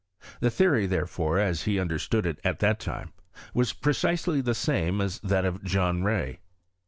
The theory, therefore, as he un derstood it at that time, was precisely the same as that of John Rey.